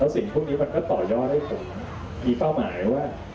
สิ่งพวกนี้มันก็ต่อยอดให้ผมมีเป้าหมายว่า